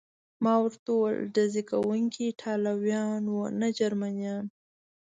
ما ورته وویل: ډزې کوونکي ایټالویان و، نه جرمنیان.